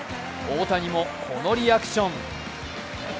大谷もこのリアクション。